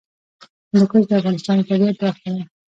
هندوکش د افغانستان د طبیعت برخه ده.